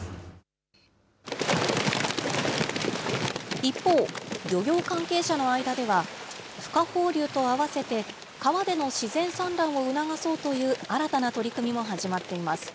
一方、漁業関係者の間では、ふ化放流とあわせて川での自然産卵を促そうという新たな取り組みも始まっています。